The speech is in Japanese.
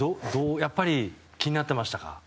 やっぱり気になっていましたか？